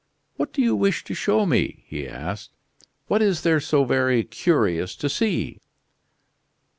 "What do you wish to show me?" he asked. "What is there so very curious to see?"